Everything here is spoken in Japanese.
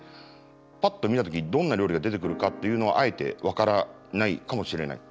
パッと見た時にどんな料理が出てくるかっていうのはあえて分からないかもしれない。